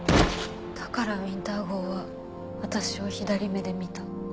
だからウィンター号は私を左目で見た。